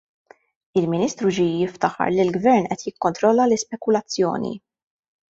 Il-Ministru ġie jiftaħar li l-Gvern qed jikkontrolla l-ispekulazzjoni.